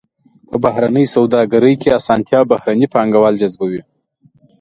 په بهرنۍ سوداګرۍ کې اسانتیا بهرني پانګوال جذبوي.